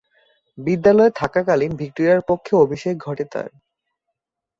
বিদ্যালয়ে থাকাকালীন ভিক্টোরিয়ার পক্ষে অভিষেক ঘটে তার।